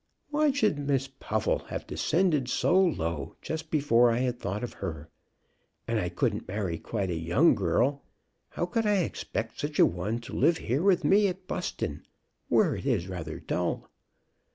Why should Miss Puffle have descended so low just before I had thought of her? And I couldn't marry quite a young girl. How could I expect such a one to live here with me at Buston, where it is rather dull?